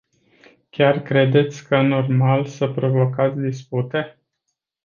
Chiar credeți că normal să provocați dispute?